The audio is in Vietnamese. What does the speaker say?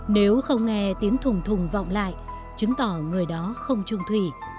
nếu không nghe tiếng thùng thùng vọng lại chứng tỏ người đó không trung thủy